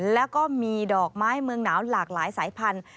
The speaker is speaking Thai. แล้วก็มีดอกไม้เมืองหนาวหลากหลายสายพันธุ